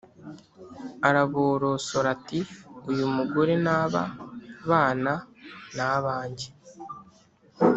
, araborosora ati: "Uyu mugore n’ aba bana ni abanjye"